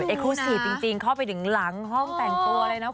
ครูจีบจริงเข้าไปถึงหลังห้องแต่งตัวเลยนะ